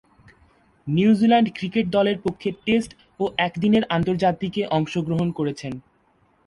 New Zealand cricket দলের পক্ষে test ও একদিনের আন্তর্জাতিকে অংশগ্রহণ করেছেন।